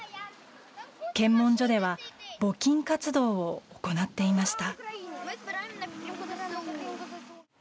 検問所では募金活動を行っていました。